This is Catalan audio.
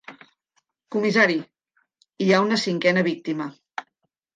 Comissari, hi ha una cinquena víctima!